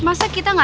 masa kita gak tau